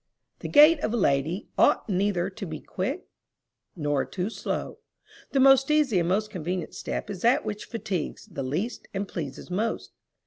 The gait of a lady ought neither to be too quick nor too slow; the most easy and most convenient step is that which fatigues the least and pleases most.